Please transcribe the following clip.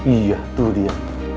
iya tuh dia